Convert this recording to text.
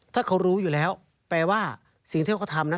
ถ้าเขารู้อยู่แล้วแปลว่าสิ่งที่เขาทำนะ